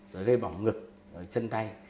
rồi gây bỏng ngực chân tay